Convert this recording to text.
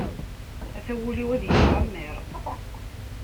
Ata wul-iw ad yettɛemmiṛ.